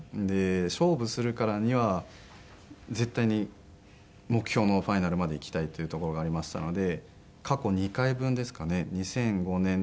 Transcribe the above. で勝負するからには絶対に目標のファイナルまで行きたいというところがありましたので過去２回分ですかね。